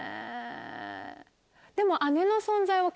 でも。